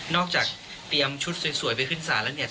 นอกจากเตรียมชุดสวยไปขึ้นศาลแล้ว